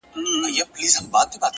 هوډ د وېرې تر سیوري هاخوا ځي.